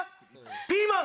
ピーマン！